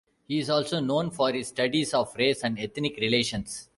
He is also known for his studies of race and ethnic relations.